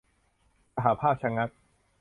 สหภาพชะงัก